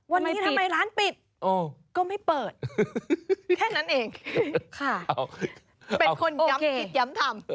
วันนี้ทำไมร้านปิดก็ไม่เปิดแค่นั้นเองค่ะเป็นคนย้ำคิดย้ำทำ